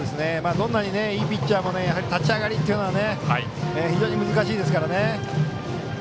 どんなにいいピッチャーも立ち上がりは非常に難しいですからね。